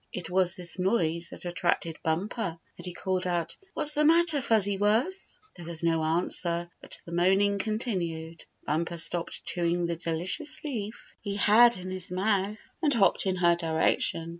It was this noise that attracted Bumper, and he called out: "What's the matter. Fuzzy Wuzz?" There was no answer but the moaning con tinued. Bumper stopped chewing the delicious leaf he had in his mouth, and hopped in her di rection.